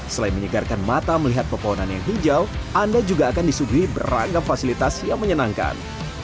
selain menyegarkan mata melihat pepohonan yang hijau anda juga akan disuguhi beragam fasilitas yang menyenangkan